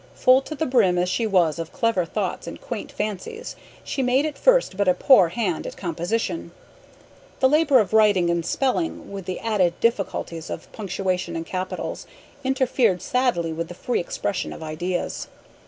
Full to the brim as she was of clever thoughts and quaint fancies, she made at first but a poor hand at composition. The labor of writing and spelling, with the added difficulties of punctuation and capitals, interfered sadly with the free expression of ideas.